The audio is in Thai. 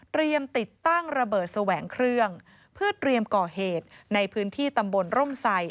ติดตั้งระเบิดแสวงเครื่องเพื่อเตรียมก่อเหตุในพื้นที่ตำบลร่มใส่